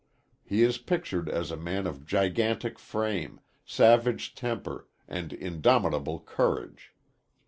He is pictured as a man of gigantic frame, savage temper and indomitable courage.